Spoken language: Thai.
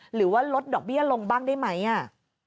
หรือว่าลดดอกเบี้ยลงบ้างได้ไหมอ่ะ